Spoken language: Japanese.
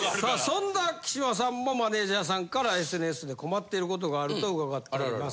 そんな木嶋さんもマネジャーさんからＳＮＳで困っていることがあると伺っております。